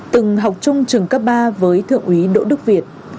từng học chung trường cấp ba với thượng úy đỗ đức việt